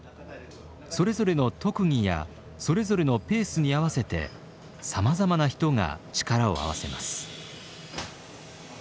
それぞれの特技やそれぞれのペースに合わせてさまざまな人が力を合わせます。